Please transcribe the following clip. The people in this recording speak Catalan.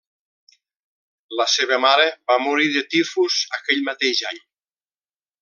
La seva mare va morir de tifus aquell mateix any.